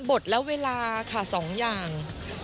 บทและเวลาค่ะ๒อย่าง